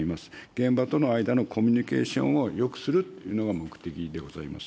現場との間のコミュニケーションをよくするというのが目的でございます。